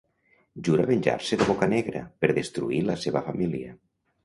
Jura venjar-se de Boccanegra per destruir la seva família.